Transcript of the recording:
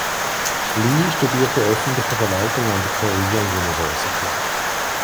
Lee studierte öffentliche Verwaltung an der Korea University.